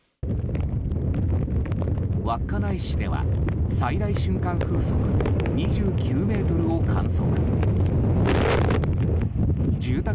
稚内市では最大瞬間風速２９メートルを観測。